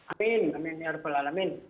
amin amin ya rupala amin